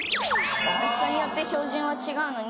人によって標準は違うのに。